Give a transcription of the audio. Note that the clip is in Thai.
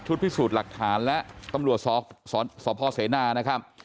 ชุดพิสูจน์หลักฐานและตำรวจสพเสนา